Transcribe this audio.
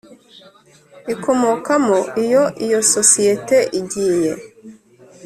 ikomokamo iyo iyo sosiyete igiye